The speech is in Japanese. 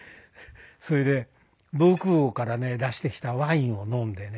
それで防空壕からね出してきたワインを飲んでね。